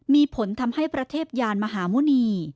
มีผลทำให้พระเทพยานมหาหมุณี